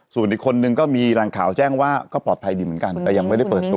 ส่วนอีกคนนึงก็มีแรงข่าวแจ้งว่าก็ปลอดภัยดีเหมือนกันแต่ยังไม่ได้เปิดตัว